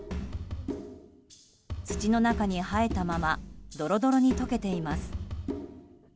土の中に生えたままドロドロに溶けています。